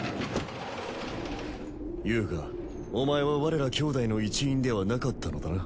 遊我お前は我ら兄弟の一員ではなかったのだな。